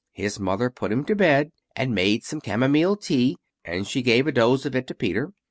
His mother put him to bed, and made some camomile tea; and she gave a dose of it to Peter!